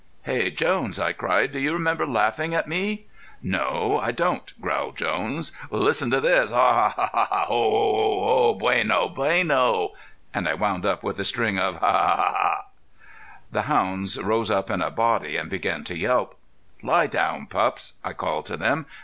"Hey, Jones," I cried, "do you remember laughing at me?" "No, I don't," growled Jones. "Listen to this: Haw haw! haw! haw! ho ho! ho ho! bueno! bueno!" and I wound up with a string of "hi! hi! hi! hi! hi!" The hounds rose up in a body and began to yelp. "Lie down, pups," I called to them.